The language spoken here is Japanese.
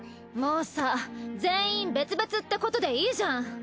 もうさぁ全員別々ってことでいいじゃん！